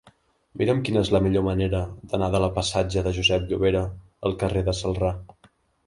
Mira'm quina és la millor manera d'anar de la passatge de Josep Llovera al carrer de Celrà.